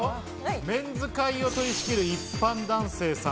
メンズ会を取り仕切る一般男性さん。